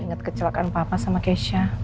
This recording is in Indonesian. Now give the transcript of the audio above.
ingat kecelakaan papa sama keisha